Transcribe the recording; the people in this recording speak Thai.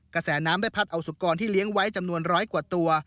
กระแสน้ำได้พัดเอาสุกรที่เลี้ยงไว้จำนวนร้อยกว่าตัว